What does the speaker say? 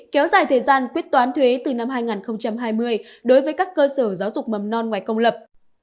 kéo dài thời gian quyết toán thuế từ năm hai nghìn hai mươi đối với các cơ sở giáo dục mầm non ngoài công lập